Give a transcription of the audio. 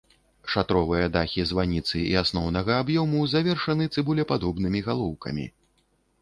Шатровыя дахі званіцы і асноўнага аб'ёму завершаны цыбулепадобнымі галоўкамі.